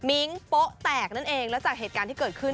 มิ้งโป๊ะแตกนั่นเองแล้วจากเหตุการณ์ที่เกิดขึ้น